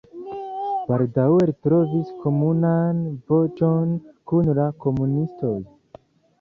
Baldaŭe li trovis komunan voĉon kun la komunistoj.